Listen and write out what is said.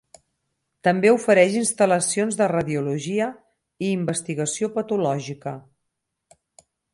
També ofereix instal·lacions de radiologia i investigació patològica.